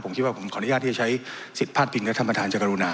ผมคิดว่าผมขออนุญาตที่จะใช้สิทธิ์พลาดพิงและท่านประธานจะกรุณา